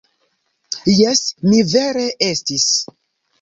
Jes, mi vere estis.